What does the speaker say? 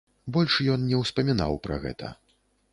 Больш ён не ўспамінаў пра гэта.